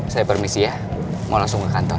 saya permisi ya mau langsung ke kantor